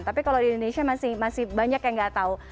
tapi kalau di indonesia masih banyak yang nggak tahu